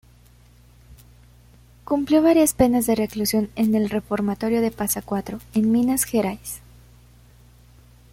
Cumplió varias penas de reclusión en el reformatorio de Pasa Cuatro, en Minas Gerais.